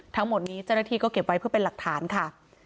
ทั้งหมดนี้เจ้าหน้าที่ก็เก็บไว้เพื่อเป็นหลักฐานค่ะ